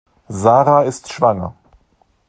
Sarah ist schwanger.